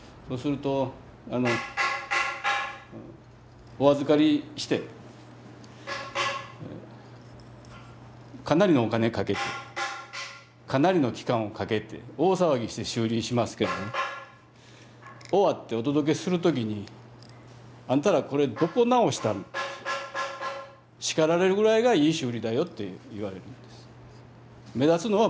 そうするとお預かりしてかなりのお金かけてかなりの期間をかけて大騒ぎして修理しますけどね終わってお届けする時に「あんたらこれどこ直したん」って叱られるぐらいがいい修理だよっていわれるんです。